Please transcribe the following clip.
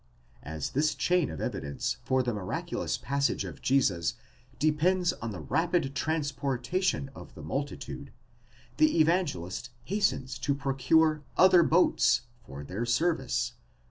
As this chain of evidence for the miraculous passage of Jesus depends on the rapid trans portation of the multitude, the Evangelist hastens to procure other boats ἄλλα πλοιάρια for their service (v.